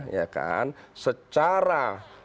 ya kan secara